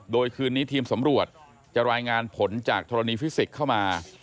โดยคืนนี้ทีมสำรวจจะรายงานผลจากธรณีฟิสิกส์เข้ามา